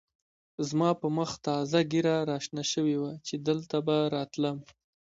زما په مخ تازه ږېره را شنه شوې وه چې دلته به راتلم.